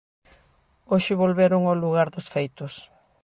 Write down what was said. Hoxe volveron ao lugar dos feitos.